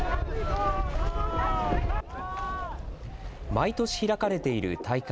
毎年開かれている大会。